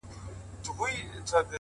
وه ه ته به كله زما شال سې ،